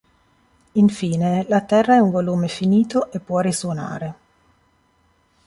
Infine, la Terra è un volume finito e può risuonare.